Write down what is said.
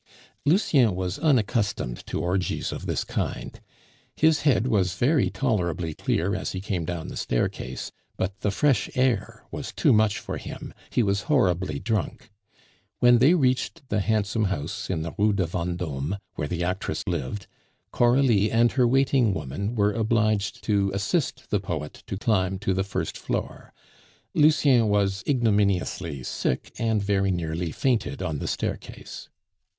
Lucien was unaccustomed to orgies of this kind. His head was very tolerably clear as he came down the staircase, but the fresh air was too much for him; he was horribly drunk. When they reached the handsome house in the Rue de Vendome, where the actress lived, Coralie and her waiting woman were obliged to assist the poet to climb to the first floor. Lucien was ignominiously sick, and very nearly fainted on the staircase.